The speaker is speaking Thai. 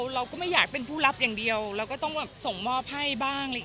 เราก็ไม่อยากเป็นผู้รับอย่างเดียวเราก็ต้องส่งมอบให้บ้าง